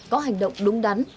có hành động đúng đắn